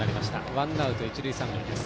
ワンアウト一塁三塁です。